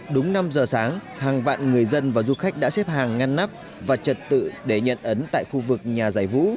đúng năm giờ sáng hàng vạn người dân và du khách đã xếp hàng ngăn nắp và trật tự để nhận ấn tại khu vực nhà giải vũ